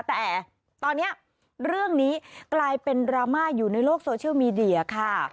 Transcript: แต่ตอนนี้เรื่องนี้กลายเป็นดราม่าอยู่ในโลกโซเชียลมีเดียค่ะ